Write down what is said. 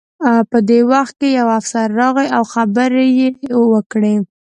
په دې وخت کې یو افسر راغی او خبرې یې وکړې